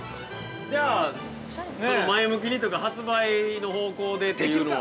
◆じゃあ、前向きにというか発売の方向でというのは◆